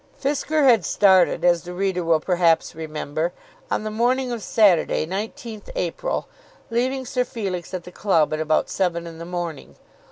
Fisker had started, as the reader will perhaps remember, on the morning of Saturday, 19th April, leaving Sir Felix at the Club at about seven in the morning.